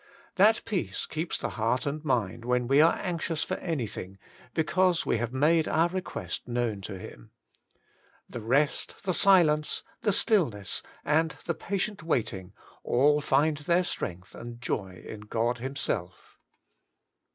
That peace keeps the heart and mind when we are anxious for anything, because we have made our request known to Him. The rest, the silence, the still ness, and the patient waiting, all find their strength and joj' in God Himself.